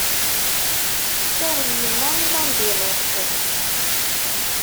Tessawel yemma i lambilanṣ.